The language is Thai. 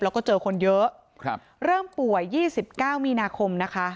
เราก็เจอคนเยอะเริ่มป่วย๒๙มีนาคม